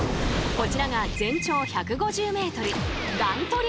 こちらが全長１５０ｍ！